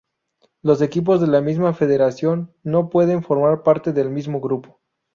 Los equipos de la misma federación no pueden formar parte del mismo grupo.